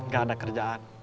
gak ada kerjaan